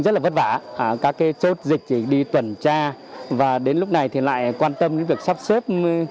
rất là vất vả các cái chốt dịch đi tuần tra và đến lúc này thì lại quan tâm đến việc sắp xếp